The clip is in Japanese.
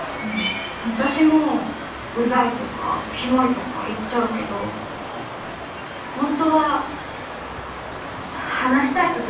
私もうざいとかキモいとか言っちゃうけど本当は話したい時だってあるんですよ。